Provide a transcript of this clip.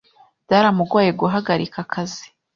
Byaramugoye guhagarika akazi.